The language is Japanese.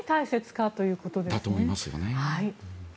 だと思いますよね。